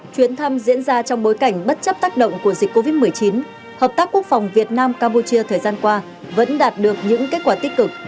chuyến thăm diễn ra trong bối cảnh bất chấp tác động của dịch covid một mươi chín hợp tác quốc phòng việt nam campuchia thời gian qua vẫn đạt được những kết quả tích cực